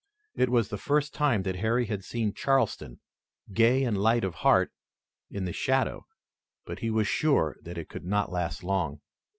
It was the first time that Harry had seen Charleston, gay and light of heart, in the shadow, but he was sure that it could not last long.